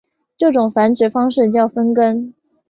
这种繁殖方式叫分根。